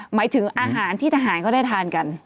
หมายถึงอาหารที่ทหารเขาได้ทานกัน